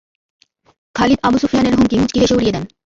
Khalid Abu সুফিয়ানের হুমকি মুচকি হেসে উড়িয়ে দেন।